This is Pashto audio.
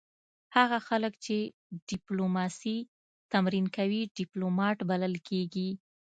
هغه خلک چې ډیپلوماسي تمرین کوي ډیپلومات بلل کیږي